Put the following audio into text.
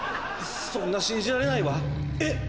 そんな信じられないわえっ！